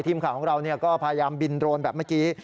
ทีมข่าวของเราก็พยายามบินโรนแบบเมื่อกี้